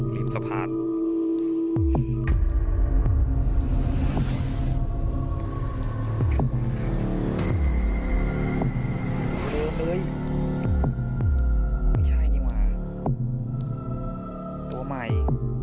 หลวงเยอะเลยไม่ใช่นี่มากตัวใหม่